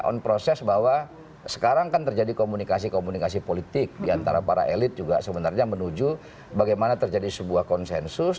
on process bahwa sekarang kan terjadi komunikasi komunikasi politik diantara para elit juga sebenarnya menuju bagaimana terjadi sebuah konsensus